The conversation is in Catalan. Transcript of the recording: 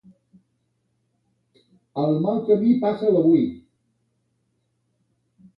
El mal camí passa'l avui.